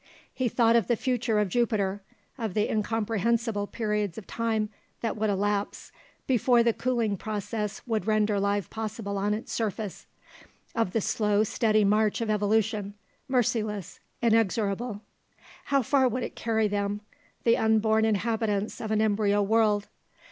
He thought of the future of Jupiter, of the incomprehensible periods of time that would elapse before the cooling process would render life possible on its surface, of the slow steady march of evolution, merciless, inexorable. How far would it carry them, the unborn inhabitants of an embryo world?